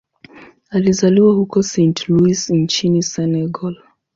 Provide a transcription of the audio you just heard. Alizaliwa huko Saint-Louis nchini Senegal.